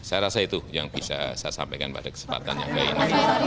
saya rasa itu yang bisa saya sampaikan pada kesempatan yang baik ini